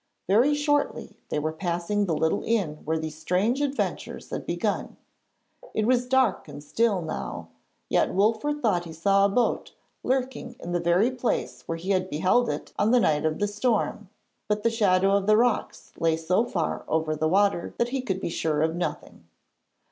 Very shortly they were passing the little inn where these strange adventures had begun; it was dark and still now, yet Wolfert thought he saw a boat lurking in the very place where he had beheld it on the night of the storm, but the shadow of the rocks lay so far over the water that he could be sure of nothing.